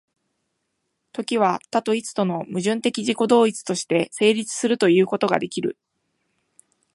時は多と一との矛盾的自己同一として成立するということができる。